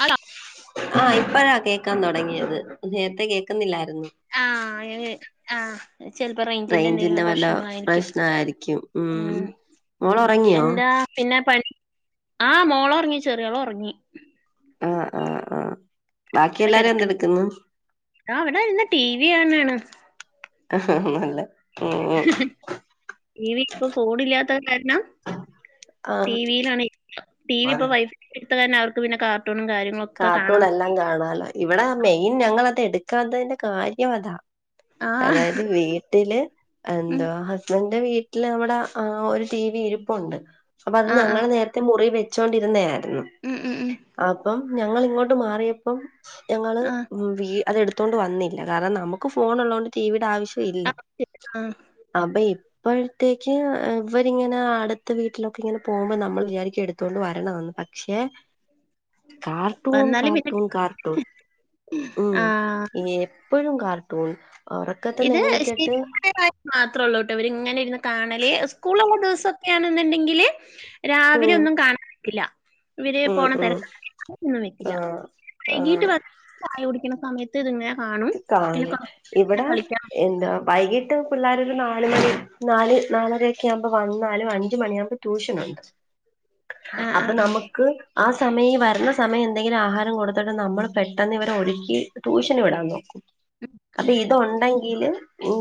Hello ആഹ്, ഇപ്പഴാ കേക്കാൻ തൊടങ്ങിയത്. നേര്ത്തെ കേക്ക്ന്നില്ലായ്രുന്നു. ആഹ് [unintelligible] ആഹ് ചിലപ്പോ റേഞ്ചിന്റെ എന്തെങ്കിലും വല്ല പ്രശ്നങ്ങളായിരിക്കും പ്രശ്നയിരിക്കും ഉ ഉം മോള ഉ റങ്ങിയോ. എന്താ പിന്നെ പ ആഹ് മോള ഉറങ്ങി ചെറിയോൾ ഉറങ്ങി അ, അ, അ. ഇങ്ങനെ കിടക്കണ് ആ വടെന്ന് ടി വി കാണാണ് [unintelligible] നല്ല ഉം ഹി ഹി ഇവി ഇപ്പൊ ഫോണില്ലാത്ത കാരണം ടി വിയിലാണെ ടി വി ആഹ് ഇപ്പം വൈഫൈ എടുത്തതന്നെ അവർക്ക് പിന്നെ കാർ കാര്യങ്ങളോക്കെ കാണാൻ പോയി ഇവടെ മെയിൻ ഞങ്ങളത് എടുക്കാത്തതന്റെ കാര്യം അതാ. ആഹ് അതായത് വീട്ടില് ഉം എന്തോ. എന്റെ വീട്ടിൽ അവിടെ ഒരു ആ ഒരു ടി വി ഇരിപ്പുണ്ട്. അപ്പൊ അത് ആഹ് ഞങ്ങൾ ആഹ് നേരത്തെ ത്തെ മുറി വെച്ചൊണ്ടിരുന്നരുന്നു. ഉം ഉം ഉം പ്പം ഞങ്ങ ൾഇങ്ങോട്ട് മാറിയപ്പം ഞങ്ങള് ആഹ് ഉം വീ അതെടു ത്തോണ്ട് വന്നില്ല കാരണം നമുക്ക് ഫോൺ ഉള്ളോണ്ട് ടിവിയുടെ ആവശ്യം ഇല്ല ആഹ് അപ്പൊ അപ്പോഴത്തേക്ക്, ഇവരിങ്ങനെ അടുത്ത, വീട്ടിലൊക്കെ, ഇങ്ങനെ, പോകുമ്പോൾ, നമ്മൾ വിചാരിക്കും, എടുത്തുകൊണ്ട് വരണമെന്ന്. ക്ഷെ കർട്ടൂൺ വന്നാല് പിന്നെ കർട്ടൂൺ കർട്ടൂൺ ഉം ആഹ് [unintelligible] എപ്പൊഴും കാർട്ടൂൺ ഉറക്കത്ത്ന്ന് എണീറ്റിട്ട് മാത്രള്ളൂട്ടോ ഇവര് ഇങ്ങനെ ഇരുന്ന് കാണല് സ്കൂൾ ഉള്ള ദിവസംക്കൊണെന്നുണ്ടെങ്കിലെ രാവിലെ ഉം ഒന്നും കാണാ ൻപറ്റില്ല ഇവര് ഉം പോണ ഉം തിരക്കൊന്നും വെക്കില്ല ആഹ് വൈകീട്ട് ആഹ് വന്ന് ചായ കുടിക്ക്ണ സമയത്ത് ത്ത് [unintelligible] കാണും പിന്നെ. നേരം ഇരുന്ന് ഇവടെ കളിക്കാം. എന്താ വൈകീട്ട്. പിള്ളേരരു നാല് മണി നാല് നാലരൊക്കെ ആവുമ്പ വന്നാലും അഞ്ച് മണിയാവുമ്പോ ട്യൂഷനുണ്ട് ആ ആ അപ്പൊ ആ നമ ക്ക് ആ സമയി വരുന്ന സമയന്തെലും ആഹാരം കൊടുത്തിട്ട് നമ്മൾ പെട്ടെന്ന് ഇവരെ ഒഴുക്കി ട്യൂഷന് വിടാമന്നോ അപ്പൊ ഇതോണ്ടെങ്കില്.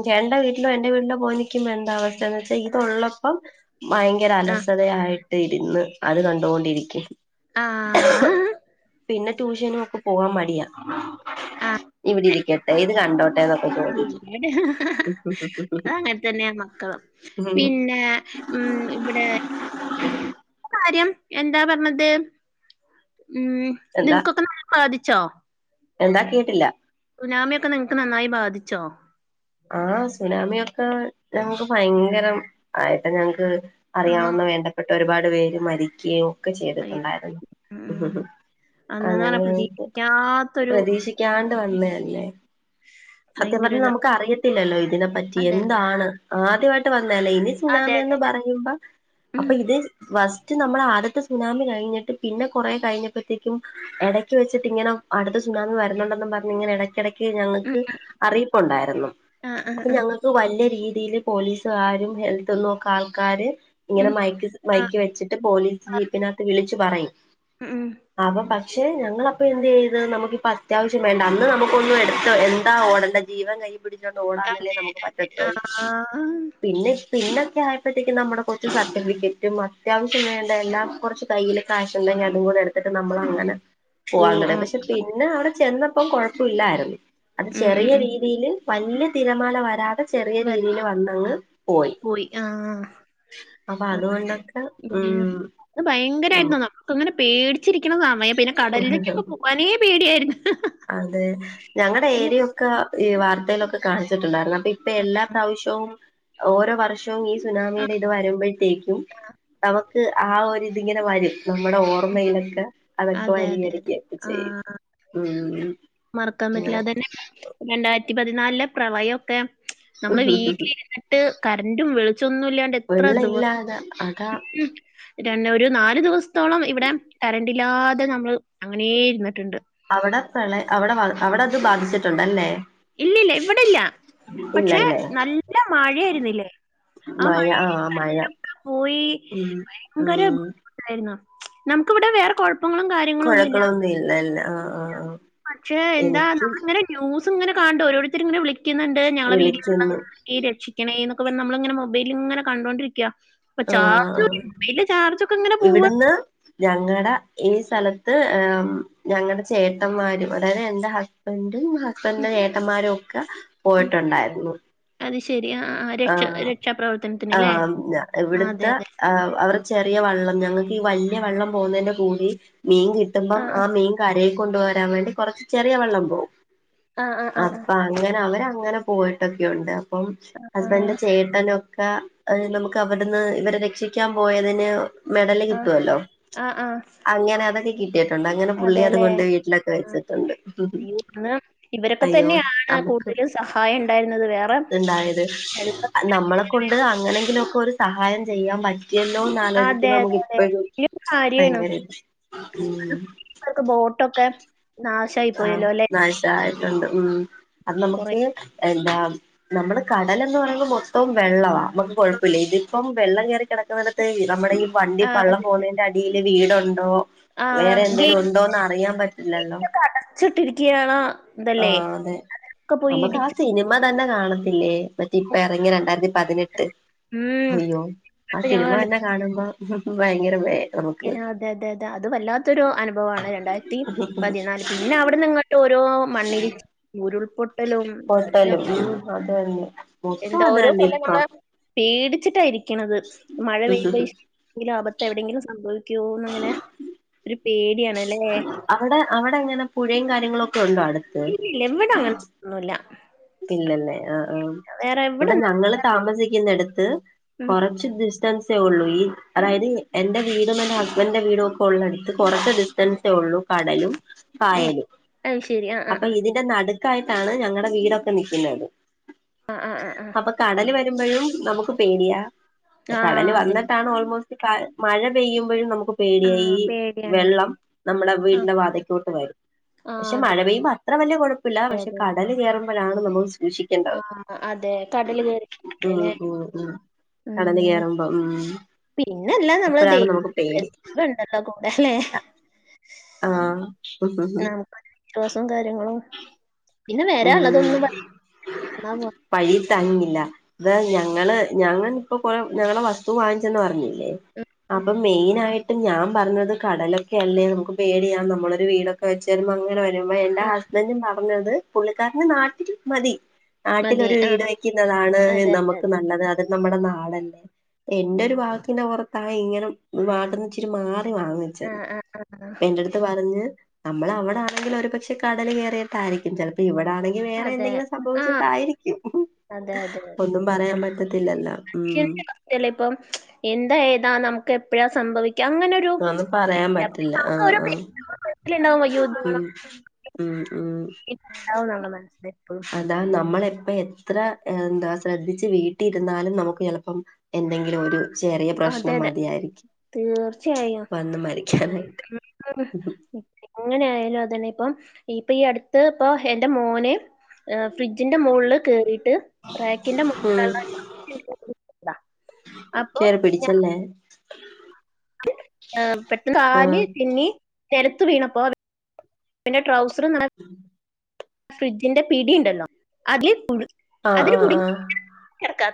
ചേട്ടന്റെ വീട്ടിലോ എന്റെ വീട്ടിലോ പോയി നിൽക്കുമ്പോ എന്ത അവസ്ഥയന്ന് വെച്ചാൽ ഇതുള്ളപ്പം ഭയങ്കര ആ അലസതയായിട്ട് ഇരുന്ന് അത് കണ്ടോണ്ടിരിക്കും ആഹ്. പിന്നെ ട്യൂഷനും ഒക്കെ പോവാൻ മടിയാ ആഹ് ഇവിടെ ഇരിക്കട്ടെ ഇത് കണ്ടോട്ടെ എന്നൊക്കെ ചോദിക്കും അങ്ങനെ തന്നെയ മക്കള് പിന്നെ, മം. ഇവിടെ കാര്യം എന്താ പറഞ്ഞത് ഉം. എന്താ നിങ്ങകൊക്കെ [unintelligible] ബാധിച്ചോ എന്താ കേട്ടില്ല. സുനാമിയൊക്കെ നിങ്ങൾക്ക് നന്നായി ബാധിച്ചോ ആഹ് സുനാമിയൊക്കെ ഞങ്ങക്ക് ഭയങ്കരം ആയിട്ട ഞങ്ങക്ക് ആണോ? അറിയാവുന്ന വേണ്ടപ്പെട്ട ഒരുപാട് പേര് മരിക്ക്യോം ഒക്കെ അയ്യോ. ഉം ഉം ചെയ്തിട്ടുണ്ടായിരുന്നുഊഊ അന്നെന്ന് പറഞ്ഞാ അങ്ങനെ പ്രതീക്ഷിക്കാത്തൊരു പ്രതീക്ഷിക്കാണ്ട വന്ന അല്ലേ ഭയങ്കരിതാ അറിയത്തില്ലല്ലോ ഇതിനെപ്പറ്റി എന്താണ് ആദ്യമായിട്ട് വന്നലേ ഇനി അതെ അതെ സുനാമിന്ന് അതെ. പറയുമ്പ. ഉം അപ്പൊ ഇത് വസ്റ്റ് നമ്മള് ആദ്യത്തെ സുനാമി കഴിഞ്ഞിട്ട് പിന്നെ കൊറേ കഴിഞ്ഞപ്പത്തേക്കും ഇടയ്ക്ക് വെച്ചട്ട് ഇങ്ങനെ അടുത്ത സുനാമി വരണംന്നും പറഞ്ഞ ഇങ്ങനെ ഇടയ്ക്ക് ഇടയ്ക്ക് ഉം ഞങ്ങൾക്ക് അറിയിപ്പുണ്ടായിരുന്നു ആ ആ ആ അപ്പഞ അത്രക്ക് വല്യയരീതിയിൽ പോലീസുകാരും ഹെൽത്തിന്നൊക്കെ ആൾക്കാര്. ഇങ്ങനെ ഉം മൈക്ക് ആ മൈക്ക് വെച്ചിട്ട് പോലീസ് ജീപ്പിനകത്ത് വിളിച്ചു പറയും. ഉം ഉം അപ്പൊ പക്ഷെ ഞങ്ങള ഇപ്പൊന്ത് യ്ത് നമുക്കിപ്പത്യാവശ്യ വേണ്ട അന്ന് നമുക്കൊന്നും എടുത്ത് എന്താ ഓടണ്ട ജീവ കഴി പിടിച്ചോണ്ട് അതെ ഓടാനല്ലേ നമുക്ക് പറ്റത്തോ ആ പിന്നെ പിന്നൊക്കെ ആയപ്പോഴത്തേക്കും നമ്മുടെ കുറച്ച് സർട്ടിഫിക്കറ്റും അത്യാവശ്യം വേണ്ട എല്ലാം കുറച്ച് കയ്യിയില് കാശ്ണ്ടെങ്കി അതുംകൂടെ എടുത്തിട്ട് നമ്മൾ അങ്ങനെ. ഓ അങ്ങനെ പക്ഷെ പിന്നെ അവിടെ ചെന്നപ്പം കുഴപ്പമില്ലായിരുന്നു അത് ഉം ഉം ചെറിയ ഉം രീതില് വലിയ തിരമാല വരാതെ. ചെറിയ വരാ രീതിൽ വന്നങ്ങ് പോയി അപ്പൊ അതുകൊണ്ടൊക്കെ ഉം നമ്മുക്ക് ങ്ങനെ പേടിച്ചിരിക്കണ സമയ പിന്നെ കടലിലേക്കൊക്കെ പോകാനേ പേടിയായിരുന്നു. അതെ, ഞങ്ങടെ അല്ലേ ഏരിയൊക്ക ഈ വാർത്തയിലൊക്കെ കാണിച്ചിട്ടുണ്ടായിരുന്ന. ഇപ്പൊ എല്ലാ പ്രാവശ്യവും ഓരോ വർഷത്തേക്ക്. ഈ ആ സുനാമിയുടെ ഇത് വരുമ്പോഴത്തേക്കും അവക്ക് ആ ഒരു ഇതിങ്ങനെ വരും. നമ്മടെ ഓർമ്മയിലൊക്കെ അതൊക്കെ അതെ അതെ അതെ വരികടികൊക്കെ ആ ചെയ്യും ഉം മറക്കാൻ പറ്റില്ല അങ്ങനെ അത് തന്നെ രണ്ടായിരത്തി പതിനാലിലെ പ്രളയക്കെ. നമ്മള് വീട്ടിൽ ഇര്ന്ന്ട്ട് കറന്റും വെളിച്ചൊന്നും ഇല്ലാണ്ട് എത്ര വെള്ള ദിവസം ഇല്ലാതെ അതാ രന്നെ ഒരു നാല് ദിവസത്തോളം ഇവിടെ കറണ്ടില്ലാതെ നമ്മള് അങ്ങനേ ഇരുന്നിട്ട്ണ്ട്. അവടെ പ്രളയ അവടെ അവടത് ബാധിച്ചിട്ടണ്ടല്ലേ ഇല്ലല്ല ഇവിടെല്ല പക്ഷെ നല്ല മഴയാ യിന്നില്ലേ മഴ ആമഴയത്ത് ആഹ് മഴ കരണ്ടൊക്കെ പോയി ഉം ഭയങ്കര. ഉം നമുക്ക് ഇവിടെ വേറേ കുഴപപങ്ങളും കാര്യങ്ങളും ഒന്നുമില്ല. കൊഴക്കളൊന്നും ഇല്ലല്ലോ പക്ഷെ, എന്താ, നമ്മളിങ്ങനെ ന്യൂസും, ഇങ്ങനെ, കാണ്ട് ഓരോരുത്തർ, ഇങ്ങനെ വിളിക്ക. ളിക്കുന്നുണ്ട് ഞങ്ങളെ വിളിക്കുന്നു വീട്ട് രക്ഷിക്കണ എന്നൊക്കെ പറ നമ്മളിങ്ങനെ മൊബൈലിങ്ങനെ കണ്ടൊണ്ടിരിക്ക ചാർജ് ആഹ് മൊബൈലെ ചാർജൊക്കെങ്ങനെ പോവാ ഞങ്ങളടെ ഈ സ്ഥലത്ത് ഞങ്ങടെ ചേട്ടന്മാരും അതായത് എൻറെ ഹസ് എന്റിം ഹസ്ബൻഡ്ന്റെ ഏട്ടന്മാരും ഒക്കെ പോയിട്ടുണ്ടായിരുന്നു അത് ശരിയാ ആഹ ആഞ അതെ ഇവിടുത്തെ അതെ. ആ അവടെ ചെറിയ വള്ളം ഞങ്ങൾക്ക് ഈ വല്യ വള്ളം പോകുന്നതിന്റെ കൂടി മീൻ കിട്ടുമ്പം ആ മീൻ കരേയ് കൊണ്ടുവരാൻ വേണ്ടി കുറച്ച് ചെറിയ വെള്ളം പോവും. ആ ആ ആ ആ അപ്പൊ അങ്ങനെ അവരങ്ങനെ പോയിട്ടൊക്കെയുണ്ട്. അപ്പം ആഹ് ഹസ്ബൻന്റെ ചേട്ടനൊക്കെ നമുക്ക് അവിട്ന്ന് ഇവരെ രക്ഷിക്കാൻ പോയതിന് മെഡല് ആഹ് കിട്ടോല്ലോ. ആഹ് ആഹ് അങ്ങനെ അതൊക്കെ കിട്ടിട്ടുണ്ട് അങ്ങനെ പുള്ളി അതെല്ലേ അത്കൊണ്ട് വീട്ടിലൊക്കെ വെച്ചിട്ടുണ്ട് അയ്യോ അന്ന് ഇവരൊക്കെ അയ്യോ തന്നെയാണ് നമുക്ക് കൂടുതലും സഹായം [unintelligible] ഉണ്ടായിരുന്നത് വേറെ ഇണ്ടായത് ഈ വെള്ളക്കാരൊക്കെ നമ്മള അങ്ങനെ കൊണ്ട് വരും. അങ്ങനെങ്കിലൊക്കെ ഒരു സഹായം ചെയ്യാൻ പറ്റ എല്ലോ അതെ ആലോചിക്കുമ്പോ അതെ നമ്മക്ക് അതെ ഇപ്പഴും വലിയൊരു കാര്യാണ് ഭയങ്കര ഇതാ അവക്ക് ബോട്ടൊക്കെ നാശായി പോയല്ലോഅല്ലെ. നശായിട്ടുണ്ട് ഉം അത് കൊറേ നമ്മക്ക് എന്താ നമ്മള് കടലന്ന് പറയുമ്പ മൊത്തവും വെള്ളവാ നമുക്ക് കൊഴപ്പില്ല ഇതിപ്പം വെള്ളം കയറി കിടക്കുന്നിടത്ത് നമ്മുടെ ഈ വണ്ടി ആഹ് വള്ളം അതെ അതെ പോകുന്നതിന്റെ അടിയിൽ വീടുണ്ടോ ആഹ് വേറെ എന്തേലും ഉണ്ടോന്ന് അറിയാൻ പറ്റില്ലല്ലോ. ച്ചിട്ടിരിക്കണ ഇതല്ലേ ഒക്കെ പോയി ഇടിച്ചു മ്മ തന്നെ കാണത്തില്ലേ. മറ്റേ ഇപ്പറങ്ങിയ രണ്ടായിരത്തി പതിനെട്ട് ഉം അയ്യോ ആ അതൊക്കെ ഞങ്ങള് സിനിമ എന്ന കണ്ടിട്ട് കാണുമ്പോ ഭയങ്കര വെ അതെ അതെ അതെ അത് വല്ലാത്തൊരു അനുഭവാണ് രണ്ടായിരത്തി പതിനാല് പിന്നെ അവിട്ന്നിങ്ങ ഓരോ മണ്ണിടിച്ചി ഉരുൾപൊട്ട് ലും പൊട്ടലും ഉം അത് തന്നെ മൊത്തം അത് എന്തോരോ തന്നെ കൊല്ലം നമ്മള. ഇപ്പം പേടിച്ചിട്ടായിരിക്കണത് മഴ പെയ്യുമ്പ എങ്കിലും ആപത്ത് എവിടെയെങ്കിലും സംഭവിക്കോന്ന്ങ്ങനെ ഒരു പേടിയാണ്. അവിടെ അവിടങ്ങനാ പുഴയും കാര്യങ്ങളൊക്കെ ഉണ്ടോ അട്ത്ത്. ഇല്ലില്ല ഇവിടെ അങ്ങനത്തെ ഒന്നുല്ല പിന്നെല്ലേ ആഹ് ആഹ് വേറെ ഇവിടെ എവിടൊന്നും ഞങ്ങള് താമസിക്കുന്നടത്ത് ഉം കൊറച്ച് ദിസ് സെ ഒള്ളൂ ഈ അതായത് എന്റെ വീടും എന്റെ ഹസ്ബൻഡന്റെ വീടും ഒക്കെ ഒള്ള അടുത്ത് കൊറച്ച്. കടലും ആഹ് കായലും അത് ശരി ആഹ് അപ്പ ആഹ് ഇതി ന്റെ നടുക്കായിട്ടാണ് ഞങ്ങളടെ വീടൊക്കെ നിൽക്കുന്നത് ആഹ് ആഹ് ആഹ് ആഹ് അപ്പൊ കടല് വരുമ്പഴും നമുക്ക് പേടിയ ആഹ് കടല് അതെ വന്നിട്ടാണ് ഓൾമോസ്. മഴപെയ്യുമ്പോഴും നമുക്ക് പേടിയാ ഈ ആഹ് പേടിയാണ്. വെള്ളം. നമ്മുടെ ആഹ് വീടിന്റെ വാതയ്ക്കോട്ട് വരും, ആഹ് പക്ഷെ അതെ മഴ പെയ്യുമ്പോ അത്ര വലിയ കുഴപ്പില്ല പക്ഷെ കടൽ കേറു പ്പഴാണ് നമ്മള് സൂക്ഷിക്കു ആഹ് അതെ കടല് ഉം കേറണ്ട്ല്ലേ ഉം ഉം കടല് മം കയറുമ്പോ ഉം പിന്നല്ലാം നമ്മള് അപ്പോഴാണ് നമുക്ക് പേടി [unintelligible] എട്ടാ കൂടെയല്ലെ? ആഹ നമുക്ക് വിശ്വാസവും കാര്യങ്ങളും പിന്നെ വരാന്ള്ളതൊന്നും വഴി തങ്ങൂല എന്നാ പോരെ വഴിയിൽ തങ്ങില്ല ഇത് ഞങ്ങള് ഞങ്ങൾ ഇപ്പൊ പോലും ഞങ്ങളെ വസ്തു വാങ്ങിച്ചെന്ന് പറഞ്ഞില്ലേ ഏഹ് അപ്പൊ മെയിനായി ഞാൻ പറഞ്ഞത് കടലൊക്കെ അല്ലേ നമുക്ക് പേടിയാ നമ്മളൊരു വീടൊക്കെ വെച്ച് അങ്ങനെ [unintelligible] എന്റെ ഹസ്ബൻഡും പറഞ്ഞത് പുള്ളിക്കാരന്റെ നാട്ടിൽക്ക് മതി. മതി നാട്ടിലൊരു വീട് ആഹ് വെക്കുന്നതാണ് അതെ അതെ നമുക്ക് നല്ലത് അ നമ്മുടെ നാടല്ലേ എന്റെരു വാക്കിനെ ഓർത്തായിങ്ങനെ വാട്ന്ന്. മാറി വാങ്ങിച്ച് ആഹ് ആഹ് ആഹ് എന്റെറ അടുത്ത് പറഞ്ഞ് നമ്മളവടാണെങ്കി ഒരുപക്ഷെ പക്ഷെ കടല് കേയറിയിട്ടായിരിക്കും ചെലപ്പോ ഇവിടാണെങ്കി വേറെ അതെ എന്തെങ്കിലും ആഹ് സംഭവിച്ചിട്ടായിരിക്കും അതെ അതെ ഒന്നും പറയാൻ പറ്റത്തില്ലല്ലൊ ഉം. എല്ല ഇപ്പം എന്താ ഏതാ നമുക്ക് എപ്പോഴാ സംഭവിക്കാ അങ്ങനെ അ ഒന്നും പറയാൻപറ്റില്ല ആഹ് മനസ്സിലുണ്ടാവും അയ്യോ ആഹ് മ് ഉം ഉം ഇത് അ ഉണ്ടാവുന്നുള്ള മനസ്സിൽ എപ്പോഴും അത നമ്മളെപ്പ എത്ര എന്താ ശ്രദ്ധിച്ച് വീട്ടിരുന്നാലും നമുക്ക് ചെലപ്പം എന്തെങ്കിലും ഒരു ചെറിയ അതെ പ്രശ്നം അതെ മതിയായിരിക്കും. തീർച്ചയായും വന്ന് മരിക്കാനായിട്ട് എങ്ങനെ ആയാലുംഅതന്നെ ഇപ്പൊ ഇപ്പൊ ഈ അടുത്ത്ഇപ്പൊഎന്റെ മോന് ഫ്രിഡ്ജിന്റെ മുകളില് കേറിട്ട് റാക്കിന്റെ ഉം മുകളില കേറി പിടിച്ചല്ലേ? പെട്ടന്ന് കാല് ആഹ് പിന്നീ നെലത്തു വീണപ്പോ. പിന്നെ ട്രൗസ്റ് [unintelligible] [inaudible] ഫ്രിഡ്ജിന്റെ പിടിണ്ടല്ലോ അതി കുടി ആഹ് അതില് ആഹ് കുടുങ്ങി. കെടക്ക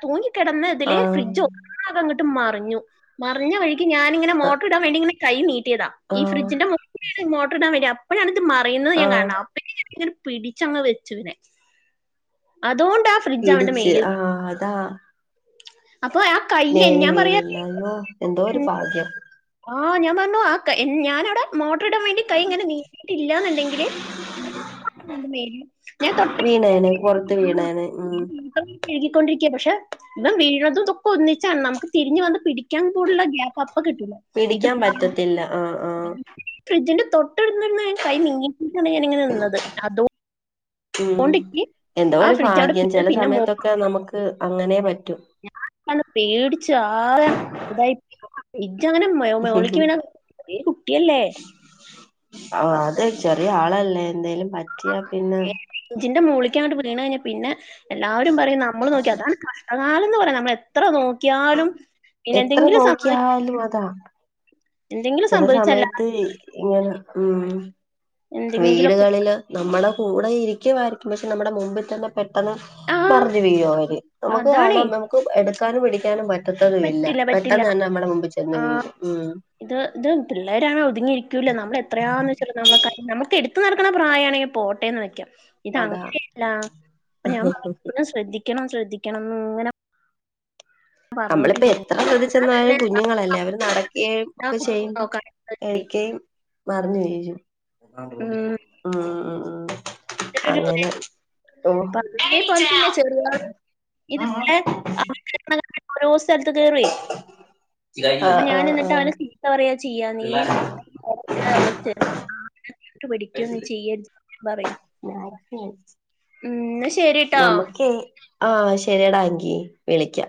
ആഹ് തൂങ്ങിക്കെടന്നതില് ആഹ് ഫ്രിഡ്ജ് ഒന്നാകങ്ങട്ട് മറിഞ്ഞു മറിഞ്ഞ വഴി ഞാനിങ്ങനെ ആഹ് മോട്ടർ ഇടാൻ വേണ്ടി ഇങ്ങനെ കൈ നീട്ടിയതാ ഈ ആഹ് ഫ്രിഡ്ജിന്റെ മൊകിളിൽ [unintelligible] മോട്ടർ ഇടാൻ വെരാ അപ്പോഴാണത്, മറിയുന്നത് ഞാൻ ആഹ് കാണുന്നത്, അപ്പോഴെക്കും [unintelligible] പിടിച്ചങ്ങ് വെച്ചുനെ അതുകൊണ്ടാ പിടിച്ച് ആഹ അതാ അപ്പോഴാ മേലെ വീണില്ലാന്നൊ എന്തോരു ഭാഗ്യം ആഹ് ഞാൻ പറഞ്ഞു ആ കായ് ഞാനവിടെ മോട്ടോറി ഇടാൻ വേണ്ടി കൈ ഇങ്ങനെ നീയിട്ടില്ലന്നുണ്ടെങ്കില് ഞാൻ തൊട്ട. വീണേനെ പുറത്ത് [unintelligible] വീണേനെ ഉം കഴുകിക്കൊണ്ടിരിക്കയ പക്ഷെ ഇം വീഴതുംതൊക്കെ ഒന്നിച്ചാണ് നമുക്ക് തിരിഞ്ഞ വന്ന് പിടിക്കാൻ കൂടുള്ള ഗ്യാ്പ്പ് അപ്പ കിട്ടൂല. ഇത് പിടിക്കാൻ [unintelligible] പറ്റത്തില്ല ആഹ് ആഹ് ഫ്രിഡ്ജിന്റെ, തൊട്ടടുത്തുന്നു കൈ, നീങ്ങിയിട്ടാണ്, ഞാനിങ്ങനെ, നിന്നത്, അതോ. ഉം എന്തോ ആ ഒരു ഫ്രിഡ്ജ് അവിടെ ഭാഗ്യം വീണ് ചില പിന്നെ സമയത്തൊക്കെ നമുക്ക് അങ്ങനെ പറ്റും ഞാൻ പേടിച്ചു [unintelligible] യോ മോളക്ക് വീണ ചെറിയ കുട്ടിയല്ലേ. ആഹ് അത് ചെറിയ ആളല്ലേ എന്തേലും പറ്റിയ പിന്നെ ജിന്റെ മോൾക്കാട്ട് വീണഴിഞ്ഞ പിന്നെ എല്ലാരും പറിം നമ്മള് നോക്കി അതാണ് കാ ആളന്ന് പറഞ്ഞ നമ്മൾ എത്ര നോക്കിയാലും പിന്നെ എത്ര എന്തെങ്കിലും സംഭവിച്ച നോക്കിയാലും അതാ ചില സമയത്ത് ഇങ്ങനെ ഉം എന്തെങ്കിലൊക്കെ വീടുകളില് നമ്മള കൂടെ ഇരിക്കുമായിരിക്കും, പക്ഷെ നമ്മുടെ മുമ്പിൽ തന്നെ പെട്ടെന്ന് ആഹ് മർഞ്ഞു വീഴും അവര്. നമുക്ക് അതാണേ കാണാം നമുക്ക് എടുക്കാനും പിടിക്കാനും പ പത്തതുമില്ല പറ്റില്ല പറ്റില്ല പെട്ടെന്ന് തന്നെ നമ്മടെ മുമ്പിൽ ആ ചെന്ന് വീഴും ഉം ഇത് ഇത് പിള്ളേരണോ ഒതുങ്ങിയിരിക്കൂല നമ്മള എത്രയാണന്ന് വച്ച ന നമുക്ക് എടു ഇട്ട് നടക്കണെ പ്രായാണെങ്കിൽ, പോട്ടേന്ന് വയ്ക്കാം. ഈതണ അതാ [unintelligible] ല്ല അപ്പം ഞാൻ [unintelligible] ശ്രദ്ധിക്കണം ശ്രദ്ധിക്കണം ങ്ങന നമ്മളിപ്പോ ഞാൻ എത്ര ശ്രദ്ധിചെന്നാലും കുഞ്ഞുങ്ങളല്ലേ അവര് നടക്കേം ഇരിക്കെ ഒക്കെ ചെയ്യുമ്പോ തന്നെ എടക് മറിഞ്ഞ വീഴും ഉം ഉഊഊ [unintelligible] പതേ പോലെ തന്നെ ചെറിയ ഇതിടെ ആണ. ഓരോ സ്ഥലത്ത് കേറി. അപ്പം ആഹ് ആഹ് ആഹ് ഞാനെന്നിട്ടവനെ ചീത്ത പറയാ ചെയ്യാ. നീയെ [unintelligible] [unintelligible] ശരിട്ടോ നമക്കയ് ആഹ് ശരിയടാ അങ്കി വിളിക്കാം